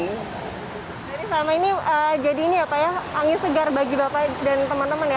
ini selama ini jadi ini ya pak ya angin segar bagi bapak dan teman teman ya